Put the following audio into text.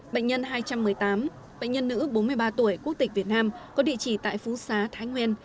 bệnh nhân hai trăm một mươi tám bệnh nhân nữ bốn mươi ba tuổi quốc tịch việt nam có địa chỉ tại phú xá thái nguyên